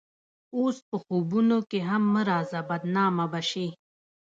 اوس په خوبونو کښې هم مه راځه بدنامه به شې